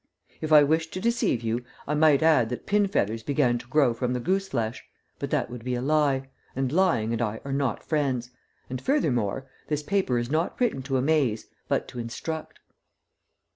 If I wished to deceive you, I might add that pin feathers began to grow from the goose flesh, but that would be a lie, and lying and I are not friends, and, furthermore, this paper is not written to amaze, but to instruct.